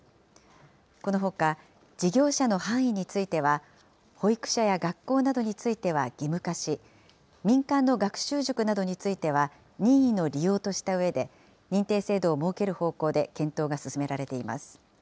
このほか、事業者の範囲については、保育所や学校などについては義務化し、民間の学習塾などについては、任意の利用としたうえで、認定制度を設ける方向で検討が進められています。